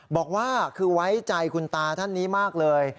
บอกว่าคือไว้ใจคุณตาท่านนี้มากเลย